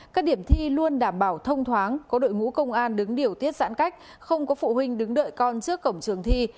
các điểm thi luôn đảm bảo thông thoáng có đội ngũ công an đứng điều tiết giãn cách không có phụ huynh đứng đợi con trước cổng trường thi